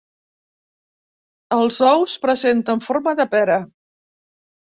Els ous presenten forma de pera.